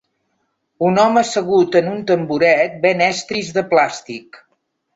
Un home assegut en un tamboret ven estris de plàstic.